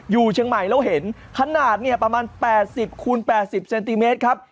อยู่เชียงใหม่แล้วเห็นขนาดเนี่ยประมาณ๘๐คูณ๘๐เซนติเมตรครับ